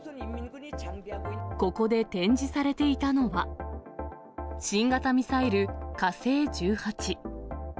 ここで展示されていたのは、新型ミサイル、火星１８。